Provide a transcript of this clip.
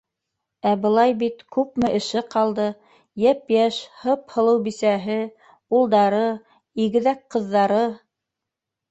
Ә былай бит... күпме эше ҡалды, йәп-йәш, һып- һылыу бисәһе, улдары, игеҙәк ҡыҙҙары.